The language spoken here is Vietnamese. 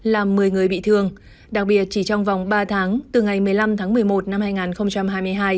làm một mươi người bị thương đặc biệt chỉ trong vòng ba tháng từ ngày một mươi năm tháng một mươi một năm hai nghìn hai mươi hai